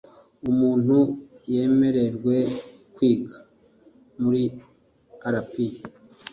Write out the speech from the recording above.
umuntu yemererwe kwiga muri rp